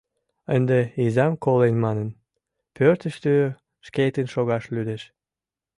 Ынде, изам колен манын, пӧртыштӧ шкетын шогаш лӱдеш.